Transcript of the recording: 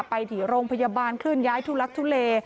ไปที่โรงพยาบาลเคลื่อนย้ายทุลักทุเล